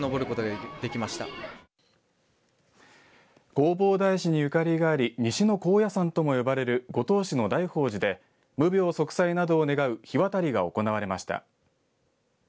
弘法大師に縁があり西の高野山とも呼ばれる五島市の大宝寺で無病息災などを願う火渡りが行われました。